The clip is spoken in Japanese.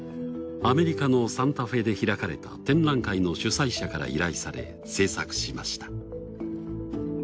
アメリカのサンタフェで開かれた展覧会の主催者から依頼され制作しました。